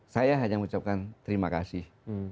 saya hanya mengucapkan terima kasih